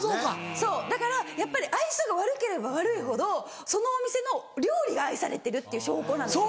そうだからやっぱり愛想が悪ければ悪いほどそのお店の料理が愛されてるっていう証拠なんです。